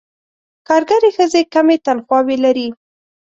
کارګرې ښځې کمې تنخواوې لري.